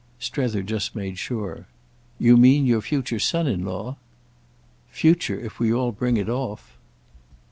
Strether just made sure. "You mean your future son in law?" "Future if we all bring it off."